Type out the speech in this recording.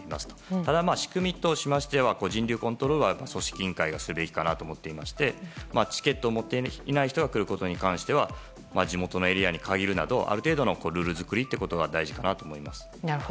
ただ、仕組みとしましては人流コントロールは組織委員会がするべきかなと思っていましてチケットを持っていない人が来ることに関しては地元のエリアに限るなどある程度のルール作りが大事かなと思います。